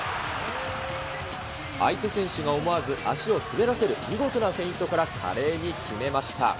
相手選手が思わず足を滑らせる見事なフェイントから華麗に決めました。